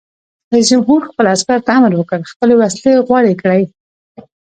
رئیس جمهور خپلو عسکرو ته امر وکړ؛ خپلې وسلې غوړې کړئ!